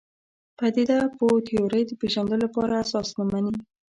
پدیده پوه تیورۍ د پېژندلو لپاره اساس نه مني.